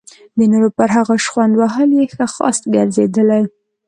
د نورو پر هغو شخوند وهل یې ښه خاصه ګرځېدلې.